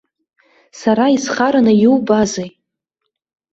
Сара исхараны иубазеи?